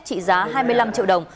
trị giá hai mươi năm triệu đồng